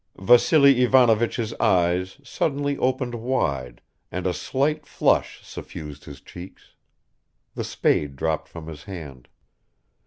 Vassily Ivanovich's eyes suddenly opened wide, and a slight flush suffused his cheeks. The spade dropped from his hand.